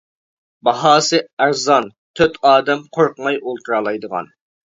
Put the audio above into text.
باھاسى ‹ ‹ئەرزان› › تۆت ئادەم قورقماي ئولتۇرالايدىغان.